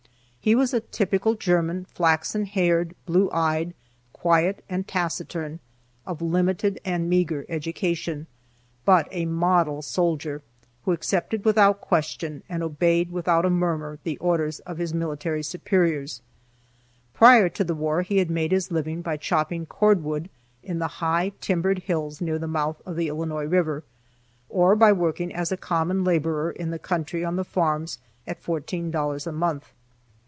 He was a typical German, flaxen haired, blue eyed, quiet and taciturn, of limited and meager education, but a model soldier, who accepted without question and obeyed without a murmur the orders of his military superiors. Prior to the war he had made his living by chopping cord wood in the high, timbered hills near the mouth of the Illinois river, or by working as a common laborer in the country on the farms at $14 a month.